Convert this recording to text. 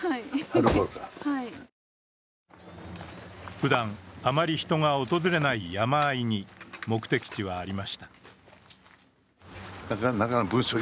ふだんあまり人が訪れない山あいに目的地はありました。